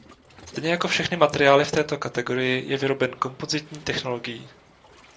Stejně jako všechny materiály v této kategorii je vyroben kompozitní technologií.